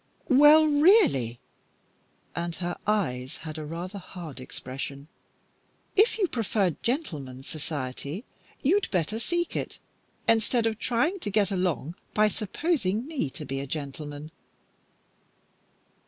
"Well, really" and her eyes had a rather hard expression "if you prefer gentlemen's society, you'd better seek it, instead of trying to get along by supposing me to be a gentleman."